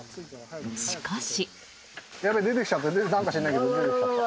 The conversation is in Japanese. しかし。